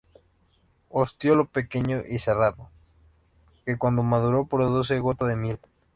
Ostiolo pequeño y cerrado, que cuando maduro produce gota de miel.